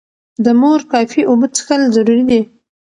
د مور کافي اوبه څښل ضروري دي.